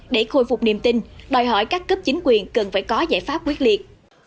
để khôi phục niềm tin đòi hỏi các cấp chính quyền cần phải có giải pháp quyết liệt